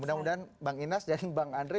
mudah mudahan bang inas dan bang andre